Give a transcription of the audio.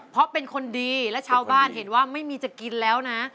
เพราะเป็นคนดีและชาวบ้านเห็นว่าไม่มีจะกินแล้วนะ